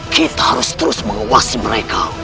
kita harus terus mengawasi mereka